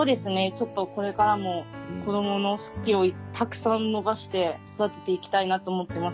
ちょっとこれからも子どもの好きをたくさん伸ばして育てていきたいなと思ってます